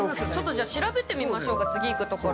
◆じゃあ、調べてみましょうか、次行く所。